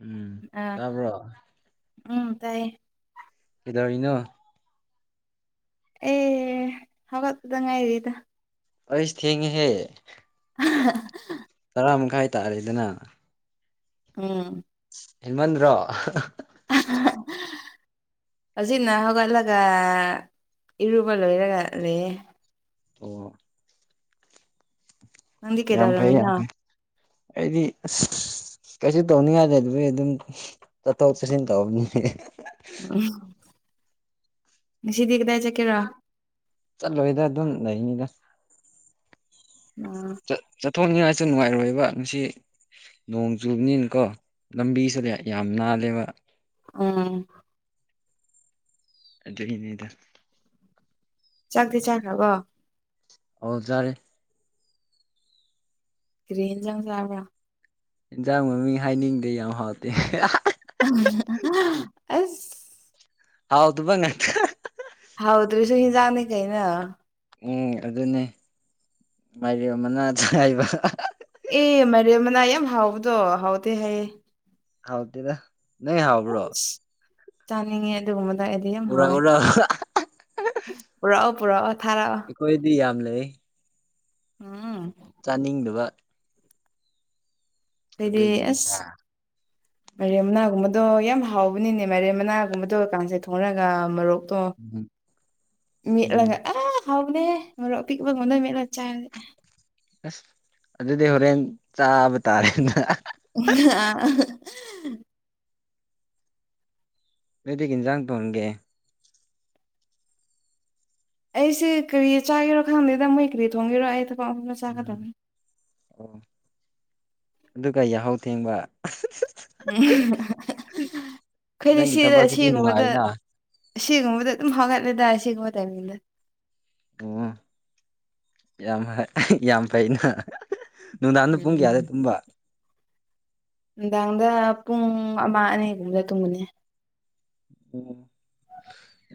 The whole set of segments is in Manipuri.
ꯎꯝ ꯑꯥ ꯇꯄ ꯎꯝ ꯇꯥꯏꯌꯦ ꯑꯩꯅꯣ ꯑꯦ ꯍꯧꯒꯠꯗ ꯉꯥꯏꯔꯤꯗ ꯑꯩꯁ ꯊꯦꯡꯉ ꯍꯦ [inaudible] ꯇꯔꯥꯝꯈꯥꯏ ꯇꯥꯔꯦꯗꯅ ꯑꯝ ꯍ‌ꯦꯟꯃꯟꯗꯔꯣ [inaudible] ꯍꯧꯖꯤꯛꯅ ꯍꯧꯒꯠꯂꯒ ꯑꯥ ꯏꯔꯨꯕ ꯂꯣꯏꯔꯒ ꯂꯩꯌ‌ꯦ ꯑꯣ ꯅꯪꯗꯤ ꯌꯥꯝ ꯐꯩ ꯌꯥꯝ ꯀꯩꯗꯧꯔꯝꯃꯤꯅꯣ ꯐꯩ ꯑꯩꯗꯤ ꯑꯁ ꯀꯩꯁꯨ ꯇꯧꯅꯤꯡꯉꯥꯏ ꯂꯩꯗꯔ‌ꯦ ꯑꯗꯨꯝ ꯆꯠꯊꯣꯛ ꯆꯠꯁꯤꯟ ꯇꯧꯕꯅꯤ ꯉꯁꯤꯗ ꯀꯗꯥꯏ ꯆꯠꯀꯦꯔꯣ ꯆꯠꯂꯣꯏꯗ ꯑꯗꯨꯝ ꯂꯩꯅꯤꯗ ꯑꯝ ꯊꯣꯛꯅꯤꯉꯥꯏꯁꯨ ꯅꯨꯡꯉꯥꯏꯔꯣꯏꯕ ꯉꯁꯤ ꯅꯣꯡ ꯆꯨꯕꯅꯤꯅ ꯀꯣ ꯂꯝꯕꯤꯁꯤꯗ ꯌꯥꯝ ꯅꯥꯜꯂꯦꯕ ꯎꯝ ꯑꯗꯨꯒꯤꯅꯦꯗ ꯆꯥꯛꯇꯤ ꯆꯥꯈ꯭ꯔꯕꯣ ꯑꯣ ꯆꯥꯔꯦ ꯀꯔꯤ ꯏꯟꯖꯥꯡ ꯆꯥꯕꯔ ꯏꯟꯖꯥꯡ ꯃꯃꯤꯡ ꯍꯥꯏꯅꯤꯡꯗ‌ꯦ ꯌꯥꯝ ꯍꯥꯎꯇꯦ [unintelligible] [unintelligible] ꯑꯁ ꯍꯥꯎꯇꯕ ꯉꯥꯛꯇ ꯖꯨ ꯏꯟꯖꯥꯡꯅꯤ ꯀꯩꯅꯣ ꯎꯝ ꯑꯗꯨꯅꯦ ꯃꯥꯏꯔꯦꯜ ꯃꯅꯥ ꯆꯥꯏꯕ ꯑꯦ ꯃꯥꯏꯔꯦꯜ ꯃꯅꯥ ꯌꯥꯝ ꯍꯥꯎꯕꯗꯣ ꯍꯥꯎꯇꯦ ꯍꯥꯏꯌꯦ ꯍꯥꯎꯇꯦꯗ ꯅꯣꯏ ꯍꯥꯎꯕ꯭ꯔꯣ ꯑꯦꯁ ꯆꯅꯤꯡꯉꯦ ꯑꯗꯨꯒꯨꯝꯕ ꯗ ꯑꯩꯗꯤ ꯌꯥꯝ ꯎꯔꯛ ꯍꯥꯎꯋꯦ ꯎꯔꯛ ꯄꯨꯔꯛꯑꯣ ꯄꯨꯔꯛꯑꯣ ꯊꯥꯔꯛꯑꯣ ꯑꯩꯈꯣꯏꯗꯤ ꯌꯥꯝ ꯂꯩ ꯎꯝ ꯆꯥꯅꯤꯡꯗꯕ ꯑꯩꯗꯤ ꯑꯗꯨꯒꯤꯅꯤ ꯑꯁ ꯃꯥꯏꯔꯦꯜ ꯃꯅꯥꯒꯨꯝꯕ ꯗꯣ ꯌꯥꯝ ꯍꯥꯎꯕꯅꯤꯅꯦ ꯃꯥꯏꯔꯦꯟ ꯃꯅꯥꯒꯨꯝꯕꯗꯣ ꯀꯥꯟꯁ‌ꯣꯏ ꯊꯣꯡꯔꯒ ꯃꯔꯣꯛ ꯇꯣ ꯎꯝ ꯑꯗꯨꯅꯦ ꯃꯦꯠꯂꯒ ꯑꯥ ꯍꯥꯎꯕꯅꯦꯍꯦ ꯃꯔꯣꯛ ꯑꯄꯤꯛꯄ ꯉꯝꯗꯣꯏ ꯃꯦꯠꯂ ꯆꯥꯏꯔꯗꯤ ꯑꯁ ꯑꯗꯨꯗꯤ ꯍꯣꯔꯦꯟ ꯆꯥꯕ ꯇꯥꯔꯦꯅ ꯑꯥ [inaudible] [unintelligible] ꯅꯣꯏꯗꯤ ꯀꯩ ꯏꯟꯖꯥꯡ ꯊꯣꯡꯒꯦ ꯑꯩꯁꯦ ꯀꯔꯤ ꯆꯥꯒꯦꯔꯣ ꯈꯪꯗꯦꯗ ꯃꯣꯏ ꯀꯔꯤ ꯊꯣꯡꯒꯦꯔ ꯑꯩꯗ ꯋꯥ ꯑꯐꯨꯠꯄ ꯎꯝ ꯆꯒꯗꯕꯅꯤ ꯑꯣ ꯑꯗꯨꯒ ꯌꯥꯍꯧ ꯊꯦꯡꯕ [unintelligible] ꯎꯝ ꯑꯩꯈꯣꯏꯗꯤ ꯅꯪꯒꯤ ꯁꯤꯗ ꯊꯕꯛꯁꯤꯗꯤ ꯁꯤꯒꯨꯝꯕꯗ ꯅꯨꯡꯉꯥꯏꯅ ꯁꯤꯒꯨꯝꯕꯗ ꯑꯗꯨꯝ ꯍꯧꯒꯠꯂꯦꯗ ꯁꯤꯒꯨꯝꯕ ꯇꯥꯏꯃꯤꯡꯗ ꯎꯝ ꯌꯥꯝ ꯍ ꯌꯥꯝ ꯐꯩꯅ ꯅꯨꯡꯗꯥꯡꯅ ꯄꯨꯡ ꯎꯝ ꯀꯌꯥꯗ ꯇꯨꯝꯕ ꯅꯨꯡꯗꯥꯡꯗ ꯄꯨꯡ ꯑꯃ ꯑꯅꯤꯒꯨꯝꯕꯗ ꯇꯨꯝꯒꯅꯤ ꯑꯣ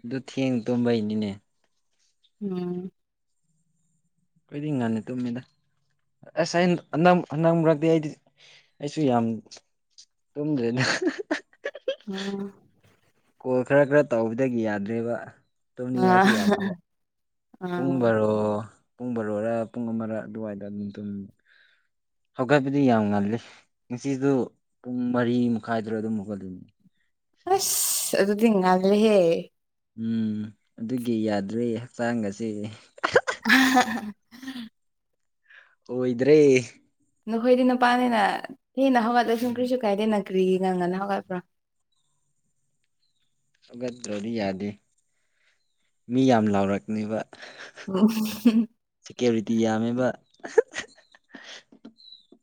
ꯑꯗꯨ ꯊꯦꯡꯅ ꯇꯨꯝꯕꯩꯅꯤꯅꯦ ꯎꯝ ꯈꯣꯏꯗꯤ ꯉꯟꯅ ꯇꯨꯝꯃꯤꯗ ꯑꯁ ꯑꯩꯅ ꯍꯟꯗꯛ ꯃ ꯍꯟꯗꯛ ꯃꯔꯛꯇꯤ ꯑꯩꯗꯤ ꯑꯩꯁꯨ ꯌꯥꯝ ꯇꯨꯝꯗ꯭ꯔꯦꯗ ꯀꯣꯜ ꯈꯔ ꯈꯔ ꯇꯧꯕꯗꯒꯤ ꯌꯥꯗ꯭ꯔꯦꯕ ꯑꯥ ꯑꯥ ꯇꯨꯝꯅꯤꯡꯉꯥꯏꯁꯨ ꯌꯥꯗꯦꯕ ꯄꯨꯡ ꯑꯥ ꯕꯔꯣ ꯄꯨꯡ ꯕꯔꯣꯔ ꯄꯨꯡ ꯑꯃꯔ ꯑꯗꯨꯋꯥꯏꯗ ꯑꯗꯨꯝ ꯇꯨꯝꯃꯦ ꯍꯧꯒꯠꯄꯗꯤ ꯌꯥꯝ ꯉꯜꯂꯦ ꯉꯁꯤꯗꯨ ꯄꯨꯡ ꯃꯔꯤ ꯃꯈꯥꯏꯗꯔ ꯑꯗꯨꯝ ꯍꯧꯒꯠꯂꯤꯗꯨꯗꯤ ꯑꯁ ꯑꯗꯨꯗꯤ ꯉꯟꯂꯦꯍꯦ ꯎꯝ ꯑꯗꯨꯒꯤ ꯌꯥꯗ꯭ꯔꯦ ꯍꯛꯆꯥꯡꯒꯁꯦ ꯑꯍꯥꯍꯥ [unintelligible] [inaudible] ꯑꯣꯏꯗ꯭ꯔꯦ ꯅꯈꯣꯏꯗꯤ ꯅꯨꯄꯥꯅꯤꯅ ꯍꯦꯟꯅ ꯍꯧꯒꯠꯂꯁꯨ ꯎꯝ ꯀꯔꯤꯁꯨ ꯀꯥꯏꯗꯦꯅ ꯀ꯭ꯔꯤꯒꯤ ꯉꯟꯅ ꯉꯟꯅ ꯍꯧꯒꯠꯄ꯭ꯔꯥ ꯍꯧꯒꯠꯇ꯭ꯔꯗꯤ ꯌꯥꯗꯦ ꯃꯤ ꯌꯥꯝ ꯂꯥꯎꯔꯛꯅꯤꯕ ꯁꯦꯀ꯭ꯌꯨꯔꯤꯇꯤ ꯌꯥꯝꯃꯦꯕ [unintelligible] [inaudible]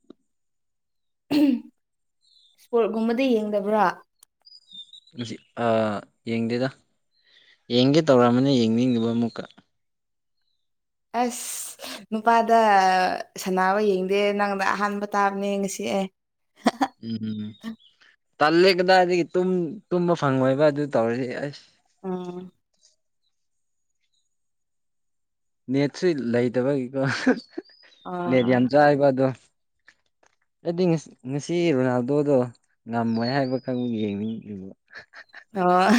ꯁ꯭ꯄꯣꯔꯠꯒꯨꯝꯕꯗꯤ ꯌꯦꯡꯗꯕ꯭ꯔꯣ ꯉꯁꯤ ꯑꯥ ꯌꯦꯡꯗꯦꯗ ꯌꯦꯡꯒꯦ ꯇꯧꯔꯝꯕꯅꯦ ꯌꯦꯡꯅꯤꯡꯗꯕ ꯑꯃꯨꯛꯀ ꯑꯁ ꯅꯨꯄꯥꯗ ꯁꯥꯟꯅꯕ ꯌꯦꯡꯗꯦ ꯅꯪꯗ ꯑꯍꯥꯟꯕ ꯇꯥꯕꯅꯦ ꯉꯁꯤ ꯗꯦꯑꯩꯠ ꯎꯝ ꯎꯝ ꯎꯝ ꯇꯜꯂꯦ ꯀꯗꯥꯏ ꯑꯗꯒꯤ ꯇꯨꯝꯕ ꯐꯪꯉꯣꯏꯕ ꯑꯗꯨ ꯇꯧꯔꯁꯤ ꯑꯁ ꯑꯥ ꯅꯦꯠꯁꯨ ꯂꯩꯇꯕꯒꯤꯀꯣ ꯅꯦꯠ ꯑꯣ ꯌꯥꯝ ꯆꯥꯏꯥꯏꯕ ꯑꯗꯣ ꯑꯩꯗꯤ ꯉꯁꯤ ꯔꯣꯅꯥꯜꯗꯣꯗꯣ ꯉꯝꯃꯣꯏ ꯍꯥꯏꯕꯈꯛꯕꯨ ꯌꯦꯡꯅꯤꯡ ꯑꯣ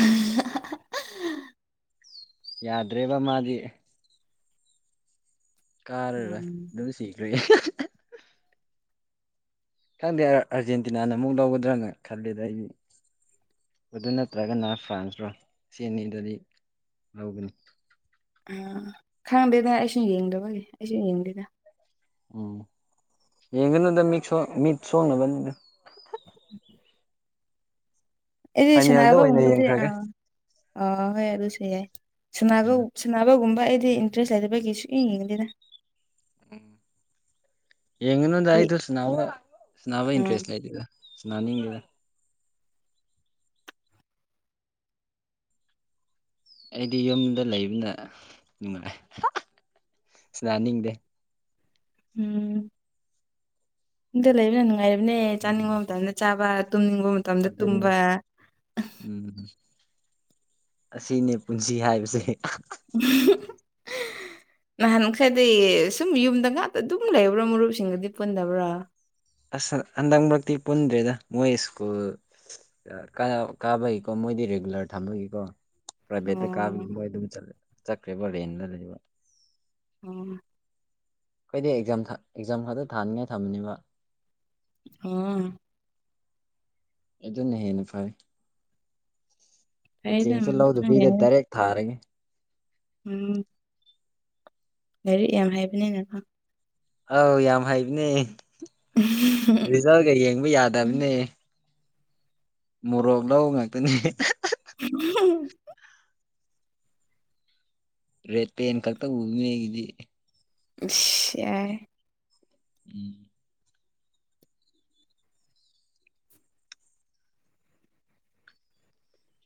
[unintelligible] ꯌꯥꯗ꯭ꯔꯦꯕ ꯃꯥꯗꯤ ꯀꯥꯔꯔ ꯎꯝ ꯑꯗꯨꯝ ꯁꯤꯈ꯭ꯔꯦ ꯈꯪꯗꯦ ꯑꯥꯔꯖꯦꯟꯇꯤꯅꯥꯅ ꯑꯃꯨꯛ ꯂꯧꯒꯗ꯭ꯔꯥꯅ ꯈꯜꯂꯦꯗ ꯑꯩꯗꯤ ꯑꯗꯨ ꯅꯠꯇ꯭ꯔꯒꯅ ꯐ꯭ꯔꯥꯟꯁꯔꯣ ꯁꯤ ꯑꯅꯤꯗꯗꯤ ꯂꯧꯒꯅꯤ ꯑꯥ ꯈꯪꯔꯝꯗꯦꯗ ꯑꯩꯁꯨ ꯌꯦꯡꯗꯕꯒꯤ ꯑꯩꯁꯨ ꯌꯦꯡꯗꯦꯗ ꯎꯝ ꯌꯦꯡꯒꯅꯗ ꯃꯤ ꯃꯤꯠ ꯁꯣꯡꯅꯕꯅꯤ ꯐꯥꯏꯅꯦꯜꯗ ꯑꯣꯏꯅ ꯑꯦꯒꯤꯁꯅꯕꯒꯕꯗꯤ ꯑ ꯌꯦꯡꯈ꯭ꯔꯒꯦ ꯑ ꯍꯣꯏ ꯑꯗꯨꯁꯨ ꯌꯥꯏ ꯁꯒ ꯎꯝ ꯁꯕꯒꯨꯝꯕ ꯍꯣꯏ ꯑꯩꯗꯤ ꯏꯟꯇꯔꯦꯁ ꯂꯩꯗꯦ ꯀꯩ ꯀꯩ ꯁꯁꯨ ꯏ ꯌꯦꯡꯗꯦꯅ ꯎꯝ ꯌꯦꯉꯅꯣꯗꯥꯏꯁꯨ ꯎꯝ ꯏꯟꯇ꯭ꯔꯦꯁꯒ ꯁꯅꯥꯅꯤꯡꯒꯦ ꯑꯩꯗꯤ ꯌꯨꯝꯗ ꯂꯩꯕꯅ ꯅꯨꯡꯉꯥꯏ ꯁꯅꯤꯡꯗꯦ ꯎꯝ ꯑꯗ ꯂꯩꯕꯅ ꯅꯨꯡꯉꯥꯏꯔꯤꯕꯅꯦ ꯎꯝ ꯆꯥꯅꯤꯡꯕ ꯃꯇꯝꯗ ꯆꯥꯕ ꯇꯨꯝꯅꯤꯡꯕ ꯃꯇꯝꯗ ꯑꯗꯨꯅꯤ ꯇꯨꯝꯕ ꯎꯝ ꯑꯁꯤꯅꯦ ꯄꯨꯟꯁꯤ ꯍꯥꯏꯕꯁꯦ [unintelligible] [unintelligible] ꯅꯍꯥꯟ ꯈꯔꯗꯤ ꯁꯨꯝ ꯌꯨꯝꯗ ꯉꯥꯛꯇ ꯑꯗꯨꯝ ꯂꯩꯕ꯭ꯔꯥ ꯃꯔꯨꯞꯁꯤꯡꯒꯗꯤ ꯄꯨꯟꯗꯕ꯭ꯔꯥ ꯑꯁ ꯍꯟꯗꯛ ꯃꯔꯛꯇꯤ ꯄꯨꯟꯗ꯭ꯔꯦꯗ ꯃꯣꯏ ꯁ꯭ꯀꯨꯜ ꯀꯥꯕꯒꯤꯩꯀꯣ ꯃꯣꯏ ꯔꯦꯒꯨꯂꯔ ꯊꯝꯃꯒ ꯀꯣ ꯄ꯭ꯔꯥꯏꯚꯦꯠꯇ ꯀꯥꯕ ꯑꯣ ꯃꯣꯏ ꯑꯗꯨꯝ ꯆꯠꯈ꯭ꯔꯦ ꯔꯦ ꯂꯩꯕ ꯑꯣ ꯀꯈꯣꯏꯗꯤ ꯑꯦꯛꯖꯥꯝ ꯑꯦꯛꯖꯥꯝ ꯈꯛꯇ ꯊꯥꯅꯤꯡꯉꯥꯏ ꯊꯝꯃꯅꯦꯕ ꯑ ꯑꯗꯨꯅ ꯍꯦꯟꯅ ꯐꯩ ꯐꯩꯗ ꯀꯣꯆꯤꯡꯁꯨ ꯂꯧꯗ ꯑꯗꯨꯁꯨ ꯐꯤꯗ ꯌꯥꯏꯗ꯫ ꯗꯥꯏꯔꯦꯛ ꯊꯥꯔꯒꯦ ꯎꯝ ꯂꯥꯏꯔꯤꯛ ꯌꯥꯝ ꯍꯥꯏꯕꯅꯤꯅ ꯑꯧ ꯌꯥꯝ ꯍꯩꯕꯅꯦ ꯔꯤꯖꯜꯒ ꯌꯦꯡꯕ ꯌꯥꯗꯕꯅꯦ ꯃꯣꯔꯕꯗ ꯉꯥꯛꯇꯅꯤ ꯔꯦꯠꯇ ꯌꯦꯟ ꯀꯥꯛꯇ ꯎꯨꯃꯤꯒꯗꯗꯤ ꯁꯦ ꯎꯝ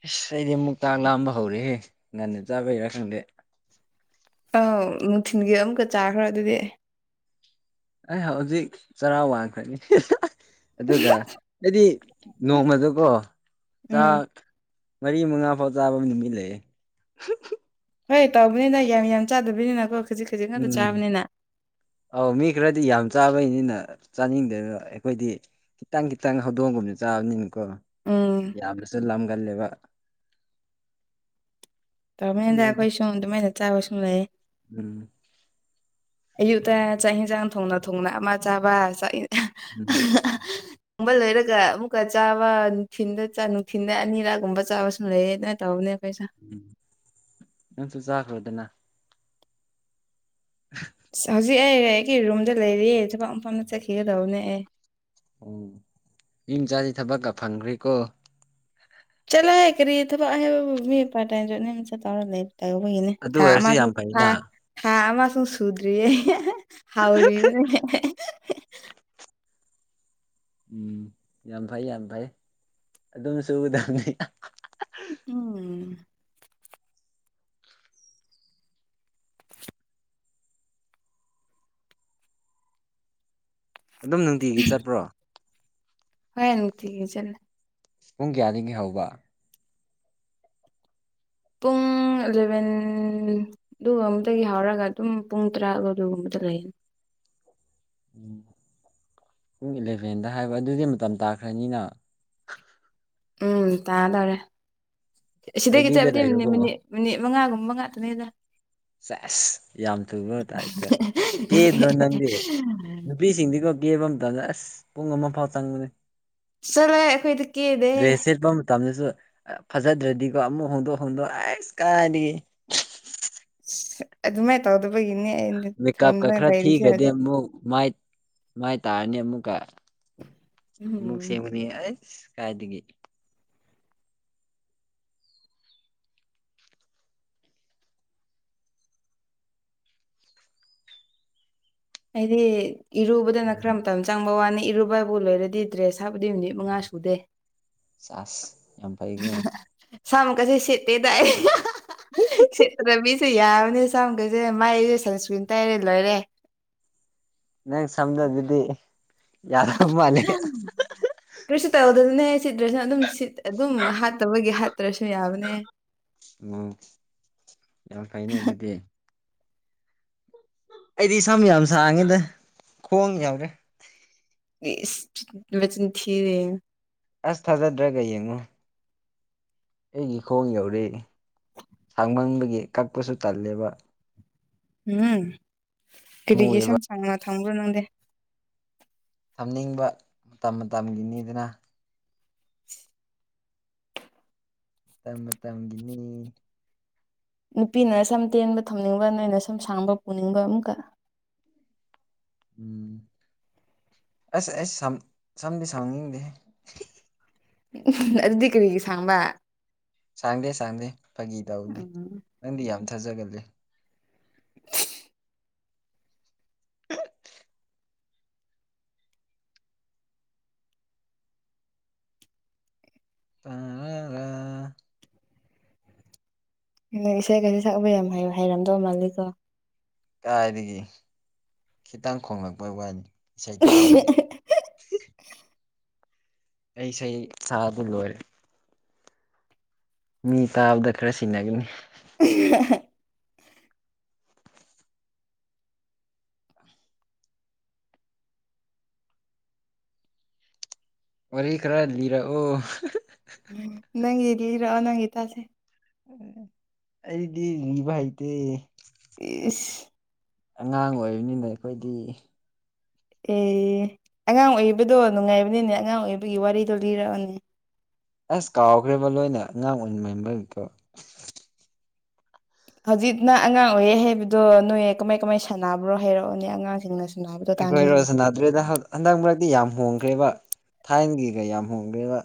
ꯏꯁꯁ ꯑꯩꯗꯤ ꯑꯃꯨꯛꯇꯥꯛ ꯂꯥꯝꯕ ꯍꯧꯔꯦꯍꯦ ꯉꯟꯅ ꯆꯥꯕꯩꯔꯥ ꯈꯪꯗꯦ ꯑꯥꯎ ꯅꯨꯡꯊꯤꯜꯒꯤ ꯑꯃꯨꯛꯀ ꯆꯥꯈ꯭ꯔꯦ ꯑꯗꯨꯗꯤ ꯑꯩ ꯍꯧꯖꯤꯛ ꯆꯔꯥ ꯋꯥꯡꯈꯅꯤ ꯑꯗꯨꯒ ꯑꯩꯗꯤ ꯅꯣꯡꯃꯗꯀꯣ ꯎꯝ ꯆꯥꯛ ꯃꯔꯤ ꯃꯉꯥ ꯐꯥꯎ ꯆꯥꯕ ꯅꯨꯃꯤꯠ ꯂꯩꯦ ꯍꯣꯏ ꯇꯧꯕꯅꯤꯅ ꯌꯥꯝ ꯌꯥꯝ ꯆꯥꯗꯕꯅꯤꯅ ꯀꯣ ꯎꯝ ꯑꯥꯎ ꯃꯤꯈ ꯔ ꯑꯗꯨ ꯌꯥꯝ ꯆꯥꯕꯩꯅꯤꯅ ꯆꯥꯅꯤꯡꯗꯅ ꯑꯩꯈꯣꯏꯗꯤ ꯈꯤꯇꯪ ꯈꯤꯇꯪ ꯍꯧꯗꯣꯡꯒꯨꯝꯗ ꯆꯥꯕ ꯎꯝ ꯌꯥꯕꯁ ꯂꯒꯂꯦꯕ ꯇꯃꯥꯏꯗ ꯑꯩꯈꯣꯏ ꯁꯨꯝ ꯑꯗꯨꯃꯥꯏꯅ ꯆꯥꯕ ꯁꯨꯝ ꯂꯩꯌꯦꯦ ꯎꯝ ꯑꯌꯨꯛꯇ ꯆꯥꯛꯟꯁꯥꯡ ꯊꯣꯡꯅ ꯊꯣꯡꯅ ꯑꯃ ꯆꯥꯕ ꯎꯝ ꯒꯨꯝꯕ ꯂꯣꯏꯔꯒ ꯑꯃꯨꯛꯀ ꯆꯥꯕ ꯅꯨꯡꯊꯤꯟꯗ ꯅꯨꯡꯊꯤꯤꯟꯗ ꯑꯅꯤꯔꯛꯒꯨꯝꯕ ꯆꯥꯕ ꯁ ꯂꯩꯌꯦꯅ ꯇꯧꯕꯅꯦ ꯑꯩꯈꯣꯏꯁꯨ ꯎꯝ ꯅꯟꯁꯨ ꯆꯈꯕꯗꯅ ꯑꯁ ꯍꯧꯖꯤꯛ ꯑꯩꯦ ꯑꯩꯒꯤ ꯔꯨꯝꯗ ꯂꯩꯔꯤ ꯊꯕꯛ ꯃꯐꯝꯗ ꯆꯠꯈꯤꯒꯗꯧꯕꯅꯦ ꯑꯦ ꯎꯝ ꯌꯨꯝꯆꯥꯗꯤ ꯊꯕꯛꯀ ꯐꯪꯈ꯭ꯔꯦꯀꯣ ꯆꯂ ꯍꯥꯏꯦ ꯀꯔꯤ ꯊꯕꯛ ꯍꯥꯏꯦꯕ ꯃꯤ ꯄꯥꯏ ꯇꯥꯏꯝ ꯆꯠ ꯇ ꯂꯩꯔ ꯇꯩꯧꯕꯒꯤꯅꯦ ꯑꯗꯨ ꯊꯥ ꯑꯣꯏꯔꯁꯨ ꯑꯃꯁꯨ ꯌꯥꯝ ꯐꯩꯅ ꯊꯥ ꯑꯃꯁꯨ ꯁꯨꯗ꯭ꯔꯤꯌꯦ ꯍꯥꯎ꯭ꯔꯤ ꯃ ꯎꯝ ꯌꯥꯝ ꯐꯩ ꯌꯥꯝ ꯐꯩ ꯑꯗꯨꯝ ꯁꯨꯒꯗꯕꯅꯤ ꯎꯝ ꯑꯗꯨꯝ ꯅꯨꯡꯇꯤꯒꯤ ꯆꯠꯄ꯭ꯔꯣ ꯍꯣꯏꯅ ꯊ ꯆꯂꯦ ꯄꯨꯡ ꯀꯌꯥꯅꯤ ꯍꯧꯕ ꯄꯨꯡ ꯄꯨꯡ ꯑꯦꯂꯚꯦꯟ ꯑꯗꯨꯒ ꯑꯃꯗꯒꯤ ꯍꯧꯔꯒ ꯑꯗꯨꯝ ꯄꯨꯡ ꯇꯔꯥꯒ ꯑꯗꯨꯒꯒꯨꯝꯕꯗ ꯂꯩꯌꯦꯅꯤ ꯎꯝ ꯄꯨꯡ ꯏꯂꯦꯚꯦꯟꯗ ꯍꯥꯏꯕ ꯑꯗꯨꯗꯤ ꯃꯇꯝ ꯇꯥꯈ꯭ꯔꯅꯤꯅ ꯎꯝ ꯇꯥ ꯇꯔꯦ ꯁꯤꯗꯒꯤ ꯔꯦꯗꯤꯗ ꯆꯠꯕꯗꯤ ꯂꯩꯔꯣꯀꯣ ꯃꯤꯅꯤꯠ ꯃꯤꯅꯤꯠ ꯃꯉꯥꯒꯨꯝꯕ ꯉꯥꯛꯇꯅꯦꯗ ꯁꯁ ꯌꯥꯝꯝ ꯊꯨꯕ ꯇꯥꯏꯇ ꯀꯗ꯭ꯔꯣ ꯅꯗꯤ ꯅꯨꯄꯤꯁꯤꯡꯗꯤꯀꯣ ꯀꯦꯕ ꯑꯃꯝꯇꯗ ꯑꯁ ꯄꯨꯡ ꯑꯃ ꯐꯥꯎ ꯆꯪꯕꯨꯅꯦ ꯆꯠꯂꯣ ꯑꯩꯈꯣꯏꯗꯤ ꯀꯦꯗꯦꯍꯦ ꯗ꯭ꯔꯦꯁꯠ ꯄ ꯇꯁꯨ ꯐꯖꯗ꯭ꯔꯗꯤꯀꯣ ꯑꯃꯨꯛ ꯍꯣꯡꯗꯣꯛ ꯍꯣꯡꯗꯣꯛ ꯑꯩꯁ ꯀꯥꯏ ꯑꯗꯨ ꯃꯥꯏ ꯇꯥꯎ ꯑꯗꯨꯕ ꯏꯅꯦ ꯃꯀꯞ ꯈ ꯈꯔ ꯊꯒꯗ ꯃꯥꯏ ꯃꯥꯏ ꯇꯥꯔꯅꯤ ꯑꯃꯨꯛꯀ ꯑꯃꯨꯛ ꯎꯝ ꯁꯦꯝꯦꯡꯕꯅꯤ ꯀꯥꯏꯗꯒꯤ ꯑꯩꯗꯤ ꯏꯔꯨꯕꯗꯅ ꯈꯔ ꯃꯇꯝ ꯆꯪꯕ ꯋꯥꯅꯤ ꯏꯔꯨꯕꯕꯨ ꯂꯣꯏꯔꯗꯤ ꯗ꯭ꯔꯦꯁ ꯑꯁꯥꯕꯨꯗꯤ ꯃꯤꯅꯤꯠ ꯃꯉꯥ ꯁꯨꯗꯦ ꯆꯥꯁ ꯌꯥꯝ ꯐꯩꯀꯣ ꯁꯝꯀꯁꯤ ꯁꯦꯇꯗꯏ ꯁꯇ ꯔꯕꯤꯁꯨ ꯌꯥ ꯑꯅꯦ ꯆ ꯀꯩꯁꯦ ꯃꯥꯏ ꯑꯩꯁꯦ ꯁꯟꯁꯀ꯭ꯔꯤꯟ ꯇꯥꯏꯔꯦ ꯂꯣꯏꯔꯦ ꯅꯪ ꯁꯖ ꯑꯗꯨꯗꯤ ꯌꯥꯔꯣ ꯃꯥꯅꯤ ꯑꯗꯨꯅꯦ ꯁꯤꯗ꯭ꯔꯁꯤꯅ ꯑꯗꯨꯝ ꯁꯤꯠ ꯑꯗꯨꯝ ꯍꯥꯠꯇꯕꯒꯤ ꯍꯥꯠꯇ꯭ꯔꯁꯨ ꯌꯥꯕꯅꯦ ꯌꯥ ꯐꯥꯏꯅꯦ ꯑꯗꯨꯗꯤ ꯑꯩꯗꯤ ꯏꯁꯝ ꯌꯥꯝ ꯁꯥꯡꯉꯦꯗ ꯈꯣꯡ ꯌꯥꯎꯔꯦ ꯏꯁ ꯆꯟ ꯊꯦ ꯑꯁ ꯊꯥꯖꯗ꯭ꯔꯒ ꯌꯦꯡꯉꯨ ꯑꯩꯒꯤ ꯈꯣꯡ ꯌꯧꯔꯛꯏ ꯁꯥꯡꯃꯟꯕꯒꯤ ꯀꯛꯄꯁꯨ ꯇꯜꯂꯦꯕ ꯎꯝ ꯀꯔꯤꯒꯤ ꯃꯨꯑꯦꯕ ꯏꯁꯝ ꯁꯥꯡꯅ ꯊꯝꯝꯕ꯭ꯔꯣ ꯅꯪꯗꯦ ꯊꯝꯅꯤꯡꯕ ꯃꯇꯝ ꯃꯇꯝꯒꯤꯅꯤꯗꯨꯅ ꯇ ꯇꯥꯡꯒꯤꯅꯤ ꯅꯨꯄꯤꯅ ꯁꯨꯝ ꯇꯦꯟꯕ ꯊꯝꯅꯤꯡꯕ ꯅꯣꯏꯅ ꯁꯨꯝ ꯁꯥꯡꯕ ꯄꯨꯅꯤꯡꯕ ꯑꯃꯨꯀꯛ ꯎꯝ ꯑꯁ ꯑꯩꯁ ꯁꯝ ꯁꯝꯗꯤ ꯁꯝꯅꯤꯡꯗꯦꯦ ꯑꯗꯨꯗꯤ ꯀꯔꯤꯒꯤ ꯁꯥꯕ ꯁꯥꯡꯗꯦ ꯁꯥꯡꯗꯦ ꯐꯥꯒꯤ ꯇꯧꯅꯦ ꯎꯝ ꯅꯪꯗꯤ ꯌꯥꯝ ꯊꯥꯖꯒꯜꯂꯤ [inaudible] [inaudible] ꯇꯥꯔꯥ ꯏꯁꯩ ꯀꯩꯁꯦ ꯁꯛꯄ ꯌꯥꯝ ꯍꯥꯏ ꯍꯩꯔꯝꯗꯧ ꯃꯥꯜꯂꯤꯀꯣ ꯀꯥꯏꯗꯒꯤ ꯈꯤꯇꯪ ꯈꯣꯡꯂꯛꯄꯩ ꯋꯥꯅꯤ ꯏꯁꯩ ꯇꯥꯕꯒꯤ ꯑꯩꯁ ꯑꯩ ꯁꯥꯗ ꯂꯔꯦ ꯃꯤ ꯇꯥꯕꯗ ꯈꯔ ꯁꯤꯟꯅꯒꯅꯤ [unintelligible] ꯋꯥꯔꯤ ꯈꯔ ꯂꯤꯔꯛꯑꯣ ꯅꯪꯔ ꯅꯪꯒꯤ ꯇꯥꯁꯦ ꯑꯩꯗꯤ ꯚꯥꯏꯇꯦ ꯏꯁꯤꯁ ꯑꯉꯥꯡ ꯑꯣꯏꯕꯅꯤꯅ ꯑꯩꯈꯣꯏꯗꯤ ꯑꯦ ꯑꯉꯥꯡ ꯑꯣꯏꯕꯗꯣ ꯅꯨꯡꯉꯥꯏꯕꯅꯤꯅꯦ ꯑꯉꯥꯡ ꯑꯣꯏꯕꯒꯤ ꯋꯥꯔꯤꯗꯣ ꯂꯤꯔꯛꯑꯣꯅꯦ ꯑꯁ ꯀꯥꯎꯈ꯭ꯔꯦꯕ ꯅꯣꯏꯅ ꯑꯉꯥꯡ ꯑꯣꯏꯔꯤꯉꯩ [inaudible] ꯕꯗꯣ ꯍꯧꯖꯤꯛ ꯅ ꯑꯉꯥꯡ ꯑꯣꯏꯌꯦ ꯍꯥꯏꯕꯗꯣ ꯅꯣꯏ ꯀꯃꯥꯏ ꯀꯃꯥꯏ ꯁꯥꯟꯅꯕ꯭ꯔꯣ ꯍꯥꯏꯔꯛꯑꯣꯅꯦ ꯑꯉꯥꯡꯁꯤꯡꯅ ꯁꯥꯟꯅꯕꯗꯣ ꯑꯩꯈꯣꯏ ꯇꯥꯅꯤꯡꯉꯤꯅꯦ ꯔꯣꯖꯅꯥꯗ꯭ꯔꯦꯗ ꯍꯟꯗꯛ ꯃꯔꯛꯇꯤ ꯌꯥꯝ ꯍꯣꯡꯈ꯭ꯔꯦꯕ ꯊꯥꯏꯅꯒꯤꯒ ꯌꯥꯝ ꯍꯣꯡꯒꯦꯕ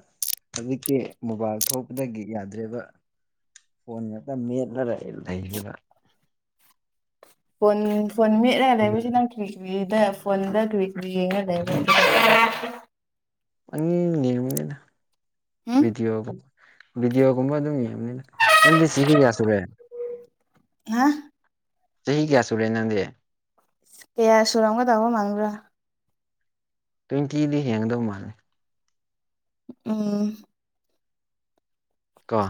ꯍꯧꯖꯤꯛꯛꯇꯀꯤ ꯃꯣꯕꯥꯏꯜ ꯊꯣꯛꯄꯗꯒꯤ ꯌꯥꯗ꯭ꯔꯦꯕ ꯐꯣꯟꯣꯟ ꯅ ꯃꯅ ꯂꯩꯒꯤꯔ ꯐꯣꯟ ꯐꯣꯟ ꯃꯤ ꯎꯝ ꯂꯩꯂꯃꯤ ꯁꯤ ꯅꯪ ꯊ ꯐꯗꯉ ꯑꯅꯤꯅꯦꯅ ꯎꯝ ꯗꯤꯌꯣꯒꯝ ꯕꯤꯗꯤꯑꯣ ꯀꯨꯝꯕ ꯑꯗꯨꯃꯤꯗꯤ ꯆꯤꯡꯍꯤꯒꯁꯣ ꯔꯦ ꯍꯥ ꯆꯍꯤ ꯀꯌꯥ ꯁꯨꯔꯦ ꯅꯪꯗꯦ ꯀꯌꯥ ꯁꯨꯔꯥꯡꯒ ꯇꯣ ꯃꯥꯡ꯭ꯔ ꯇ꯭ꯋꯦꯟꯇꯤꯗꯤ ꯍꯡꯗꯧ ꯃꯥꯜꯂꯦ ꯎꯝ ꯀꯣ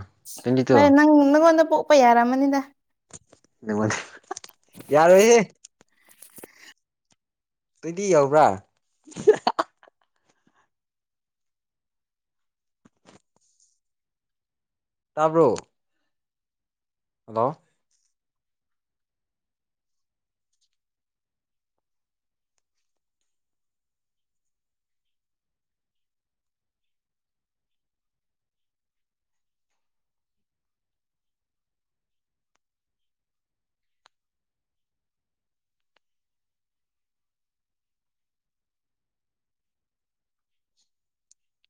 ꯇ꯭ꯋꯦꯟꯇꯤ ꯇꯨ ꯍꯣꯏ ꯅꯪ ꯅꯪꯉꯣꯟꯗ ꯄꯣꯛꯄ ꯌꯥꯔꯝꯃꯅꯤꯗ ꯃꯗꯤ ꯌꯥꯔꯣ ꯑꯣꯏ ꯇꯗꯤ ꯌꯥꯎꯕ꯭ꯔꯥ ꯇꯥꯕ꯭ꯔꯣ ꯍꯜꯂꯣ